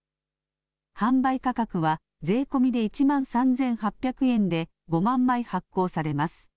販売価格は税込みで１万３８００円で５万枚発行されます。